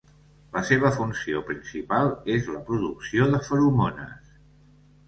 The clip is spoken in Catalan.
La seva funció principal és la producció de feromones.